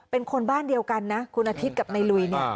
เป็นคนบ้านเดียวกันนะคุณอาทิตย์กับนายลุยเนี่ย